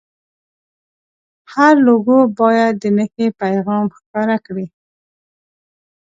هره لوګو باید د نښې پیغام ښکاره کړي.